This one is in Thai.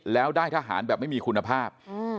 แล้วได้ทหารแบบไม่มีคุณภาพ